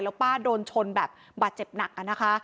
แล้วป้าโดนชนแบบบาดเจ็บหนักอะนะคะ